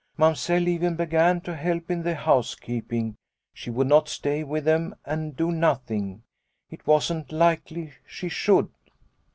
Mamsell even began to help in the housekeeping. She would not stay with them and do nothing, it wasn't likely she should.